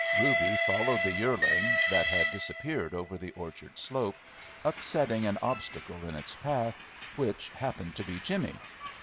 Reuby followed the yearling, that had disappeared over the orchard slope, upsetting an obstacle in its path, which happened to be Jimmy.